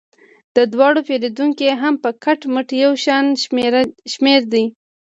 د دواړو پیرودونکي هم په کټ مټ یو شان شمیر دي.